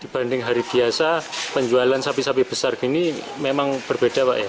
dibanding hari biasa penjualan sapi sapi besar ini memang berbeda